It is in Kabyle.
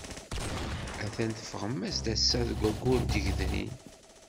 Atan teffɣem-d ass-a deg waggur n tgedrin.